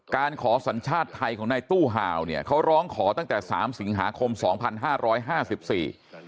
การขอสัญชาติไทยของในตู้ห่าวเนี่ยเขาร้องขอตั้งแต่สามสิงหาคมสองพันห้าร้อยห้าสิบสี่